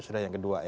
sudah yang kedua ya